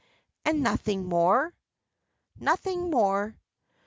"And nothing more?" "Nothing more."